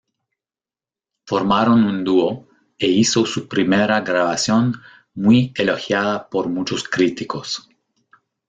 Formaron un dúo e hizo su primera grabación, muy elogiada por muchos críticos.